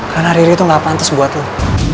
karena riri tuh gak pantas buat lo